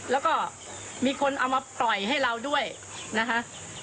แล้วก็มีคนเอามาปล่อยให้เราด้วยนะคะ